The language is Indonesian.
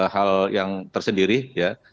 hal yang tersendiri ya